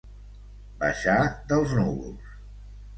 Baixar dels núvols.